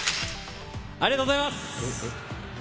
ありがとうございます。